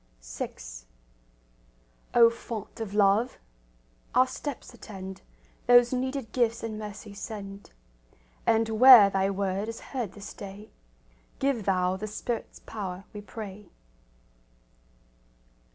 VI O Font of love! Our steps attend; Those needed gifts in mercy send; And where Thy word is heard this day, Give Thou the Spirit's power, we pray.